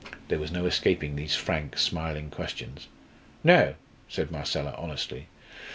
There was no escaping these frank, smiling questions. "No," said Marcella, honestly.